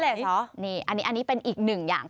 อันนี้เป็นอีกหนึ่งอย่าง